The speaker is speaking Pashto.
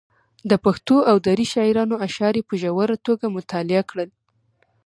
د پښتو او دري شاعرانو اشعار یې په ژوره توګه مطالعه کړل.